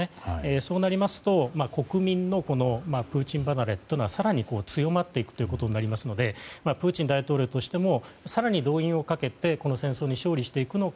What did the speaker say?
そうなりますと国民のプーチン離れというのは更に強まっていくということになりますのでプーチン大統領としても更に動員をかけてこの戦争に勝利していくのか。